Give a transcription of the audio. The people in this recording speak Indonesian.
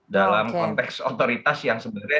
dalam konteks otoritas yang sebenarnya